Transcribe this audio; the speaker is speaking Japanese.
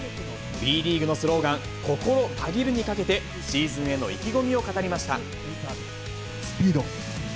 Ｂリーグのスローガン、ココロ、たぎるにかけて、シーズンへの意気込みを語りました。